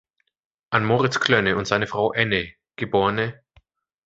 An Moritz Klönne und seine Frau Änne geb.